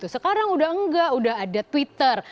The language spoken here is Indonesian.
sekarang sudah tidak sudah ada twitter